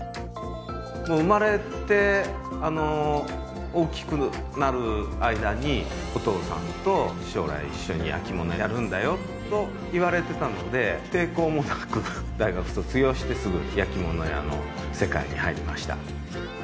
もう生まれてあの大きくなる間にお父さんと将来一緒に焼き物やるんだよと言われてたので抵抗もなく大学卒業してすぐ焼き物屋の世界に入りました